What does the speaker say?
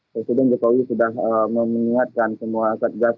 presiden jokowi sudah memingatkan semua setgas